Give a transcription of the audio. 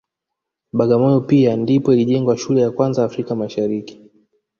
Bagamoyo pia ndipo ilijengwa shule ya kwanza Afrika Mashariki